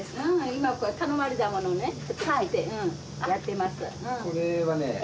今頼まれたものをねやってます。